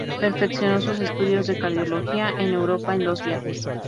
Perfeccionó sus estudios de cardiología en Europa en dos viajes.